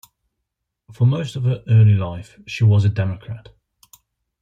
For most of her early life she was a Democrat.